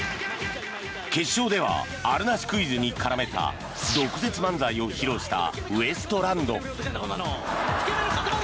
決勝ではあるなしクイズに絡めた毒舌漫才を披露したウエストランド。